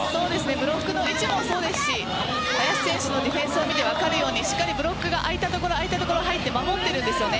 ブロックの位置もそうですし林選手のディフェンスを見て分かるように、しっかりブロックが空いたところに入って、守っているんですよね。